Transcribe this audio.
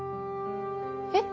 えっ？